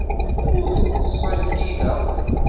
Ur tent-ttṣeyyideɣ.